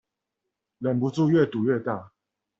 忍不住越賭越大